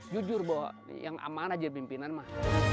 jujur bahwa yang aman aja pimpinan mah